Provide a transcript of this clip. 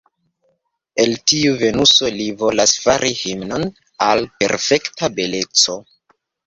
El tiu Venuso li volas fari himnon al perfekta beleco.